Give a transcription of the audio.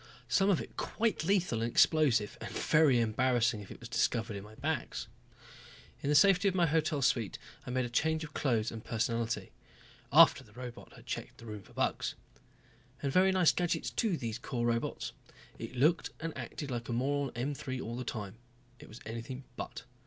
Some of it quite lethal and explosive, and very embarrassing if it was discovered in my bags. In the safety of my hotel suite I made a change of clothes and personality. After the robot had checked the rooms for bugs. And very nice gadgets too, these Corps robots. It looked and acted like a moron M 3 all the time. It was anything but.